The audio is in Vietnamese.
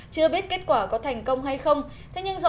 chưa biết kết quả có thành công hay không